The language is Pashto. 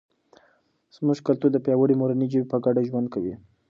زموږ کلتور د پیاوړي مورنۍ ژبې په ګډه ژوند کوي.